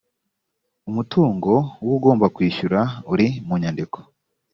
umutungo w’ugomba kwishyura uri mu nyandiko